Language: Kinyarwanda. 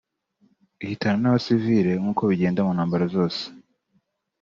ihitana n’abasivili nk’uko bigenda mu ntambara zose